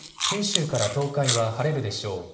九州から東海は晴れるでしょう。